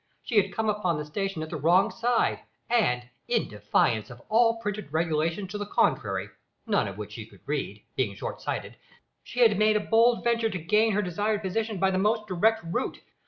She had come upon the station at the wrong side, and, in defiance of all printed regulations to the contrary none of which she could read, being short sighted she had made a bold venture to gain her desired position by the most direct route.